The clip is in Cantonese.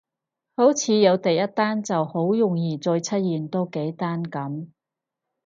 好似有第一單就好容易再出現多幾單噉